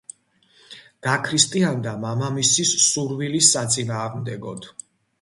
გაქრისტიანდა მამამისის სურვილის საწინააღმდეგოდ.